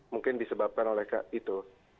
mungkin disebabkan oleh itu